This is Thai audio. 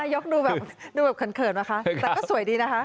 นายกดูแบบเขินมาคะแต่ก็สวยดีนะฮะ